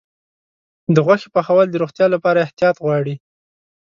د غوښې پخول د روغتیا لپاره احتیاط غواړي.